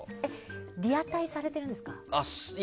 リアタイされてるんですか？